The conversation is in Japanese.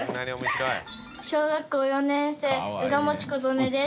小学校４年生宇賀持琴音です。